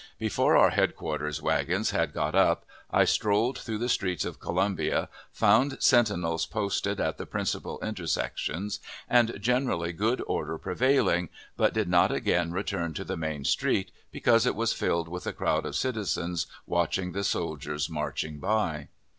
Before our headquarters wagons had got up, I strolled through the streets of Columbia, found sentinels posted at the principal intersections, and generally good order prevailing, but did not again return to the main street, because it was filled with a crowd of citizens watching the soldiers marching by.